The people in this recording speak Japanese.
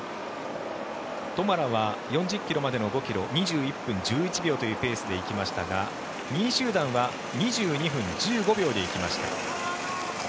トマラは４０ｋｍまでの５ｋｍを２１分１秒のペースで行きましたが２位集団は２２分１５秒で行きました。